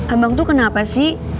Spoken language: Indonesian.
abang tuh kenapa sih